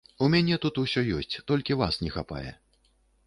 У мяне тут усё ёсць, толькі вас не хапае.